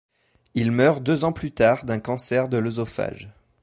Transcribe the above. Il meurt deux ans plus tard d'un cancer de l'œsophage.